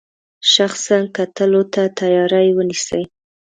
شخصا کتلو ته تیاری ونیسي.